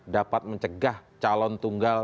dapat mencegah calon tunggal